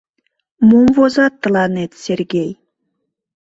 — Мом возат тыланет, Сергей!